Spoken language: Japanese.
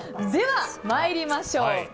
では参りましょう。